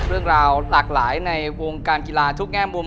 เรื่องราวหลากหลายในวงการกีฬาทุกแง่มุม